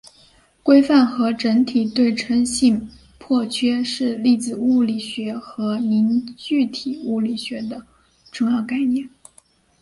规范和整体对称性破缺是粒子物理学和凝聚体物理学的重要概念。